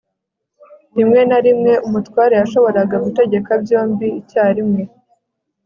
rimwe na rimwe umutware yashoboraga gutegeka byombi icyarimwe